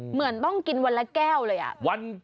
เหมือนต้องกินวันละแก้วเลย